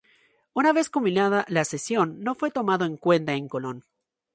Una vez culminada la cesión, no fue tomado en cuenta en Colón.